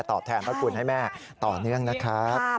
แทนพระคุณให้แม่ต่อเนื่องนะครับ